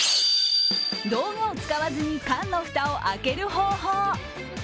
道具を使わずに缶の蓋を開ける方法。